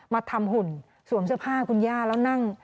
มาทำหุ่นสวมเสื้อผ้าคุณย่าแล้วนั่ง